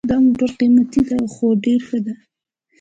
دا موټر قیمته ده خو ډېر ښه ده